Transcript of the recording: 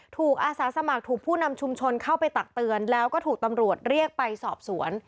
อาสาสมัครถูกผู้นำชุมชนเข้าไปตักเตือนแล้วก็ถูกตำรวจเรียกไปสอบสวน